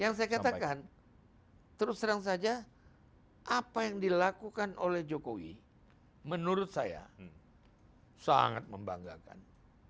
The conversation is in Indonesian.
yang saya katakan terus terang saja apa yang dilakukan oleh jokowi menurut saya sangat membanggakan